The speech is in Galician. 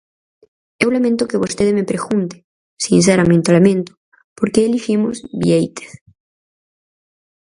Eu lamento que vostede me pregunte –sinceramente o lamento– por que eliximos Biéitez.